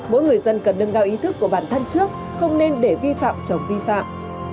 mỗi người dân cần nâng cao ý thức của bản thân trước không nên để vi phạm chống vi phạm